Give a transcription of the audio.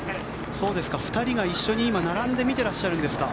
２人が一緒に今、並んで見ていらっしゃるんですか。